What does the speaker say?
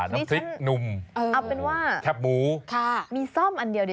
น้ำพริกหนุ่มเอาเป็นว่าแคบหมูค่ะมีซ่อมอันเดียวดิ